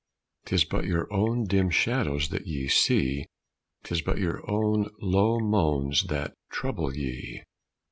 'Tis but your own dim shadows that ye see, 'Tis but your own low moans that trouble ye."